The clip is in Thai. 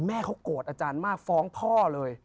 แม่เขาโกรธอาจารย์มากฟ้องพ่อเลย